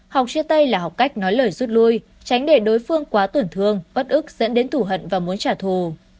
học chia tây là học cách nói lời rút lui tránh để đối phương quá tổn thương bất ức dẫn đến thủ hận và muốn trả thù